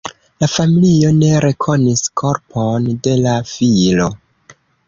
La familio ne rekonis korpon de la filo.